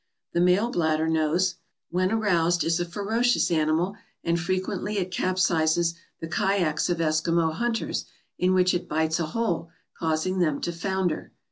The male bladdernose when 478 MISCELLANEOUS 479 aroused is a ferocious animal, and frequently it capsizes the kayaks of Eskimo hunters in which it bites a hole, causing them to founder.